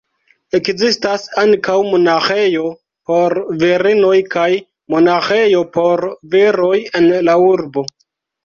Ekzistas ankaŭ monaĥejo por virinoj kaj monaĥejo por viroj en la urbo.